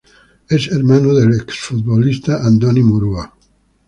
Es hermano del exfutbolista Andoni Murua.